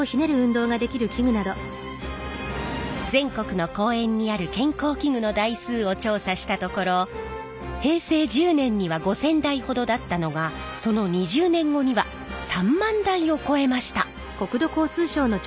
全国の公園にある健康器具の台数を調査したところ平成１０年には５，０００台ほどだったのがその２０年後には３万台を超えました！